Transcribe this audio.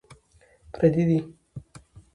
پردي دي.